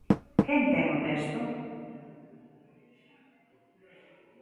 ¿Quen ten o texto?